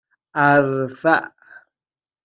اَرفع